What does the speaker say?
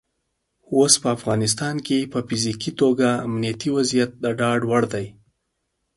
اوس په افغانستان کې په فزیکي توګه امنیتي وضعیت د ډاډ وړ دی.